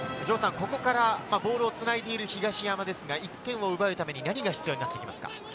ここからボールをつないでいる東山ですが、１点を奪うために何が必要になってきますか？